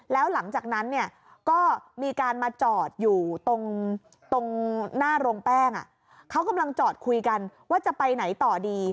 แล้วหลังจากนั้นเนี่ยก็มีการมาจอดอยู่ตรงหน้าโรงแป้งเขากำลังจอดคุยกันว่าจะไปไหนต่อดี